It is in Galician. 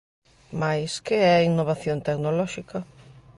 Mais, que é a innovación tecnolóxica?